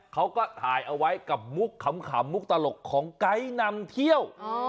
เขาก็ถ่ายเอาไว้กับมุกขำมุกตลกของไกด์นำเที่ยว